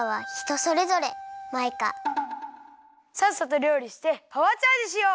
さっさとりょうりしてパワーチャージしよう！